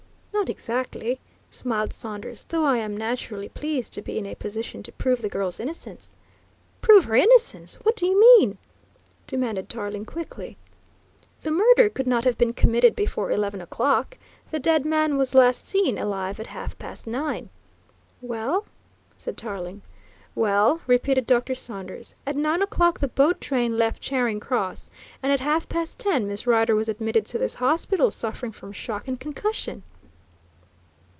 "Not exactly," smiled Saunders. "Though I am naturally pleased to be in a position to prove the girl's innocence." "Prove her innocence? What do you mean?" demanded Tarling quickly. "The murder could not have been committed before eleven o'clock. The dead man was last seen alive at half past nine." "Well?" said Tarling. "Well," repeated Dr. Saunders, "at nine o'clock the boat train left Charing Cross, and at half past ten Miss Rider was admitted to this hospital suffering from shock and concussion."